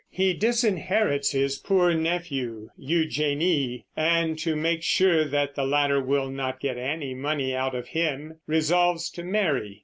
He disinherits his poor nephew Eugenie, and, to make sure that the latter will not get any money out of him, resolves to marry.